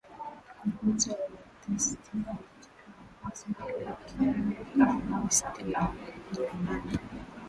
kufuata uatheisti kama itikadi kuu Serikali ya kikomunisti ilinyanganya